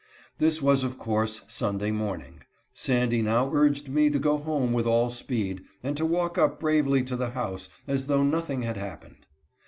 This was of course Sunday morning. Sandy now urged me to go home with all speed, and to walk up bravely to the house, as though nothing had happened.